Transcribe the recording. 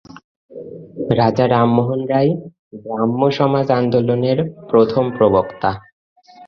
রাজা রামমোহন রায় ব্রাহ্মসমাজ আন্দোলনের প্রথম প্রবক্তা।